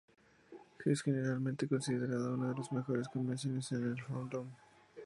Es generalmente considerada una de las mejores convenciones en el fandom.